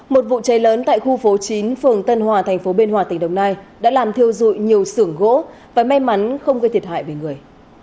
một vụ cháy lớn tại khu phố chín phường tân hòa thành phố biên hòa tỉnh đồng nai đã làm thiêu dụi nhiều sưởng gỗ và may mắn không gây thiệt hại về người